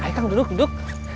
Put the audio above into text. ayo kang duduk duduk